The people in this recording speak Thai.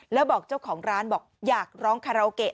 แล้วบอกเจ้าของร้านบอกอยากร้องคาราโอเกะ